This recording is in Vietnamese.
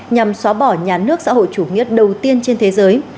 nhằm xóa bỏ nhà nước xã hội chủ nghĩa đầu tiên trên thế giới